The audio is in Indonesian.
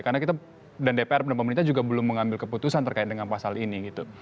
karena kita dan dpr dan pemerintah juga belum mengambil keputusan terkait dengan pasal ini gitu